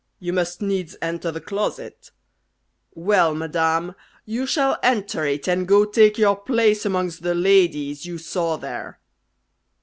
You must needs enter the closet. Well, madam, you shall enter it, and go take your place amongst the ladies you saw there."